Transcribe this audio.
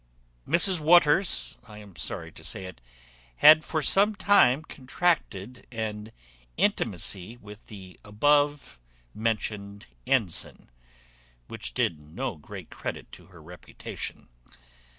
Mrs Waters, I am sorry to say it, had for some time contracted an intimacy with the above mentioned ensign, which did no great credit to her reputation.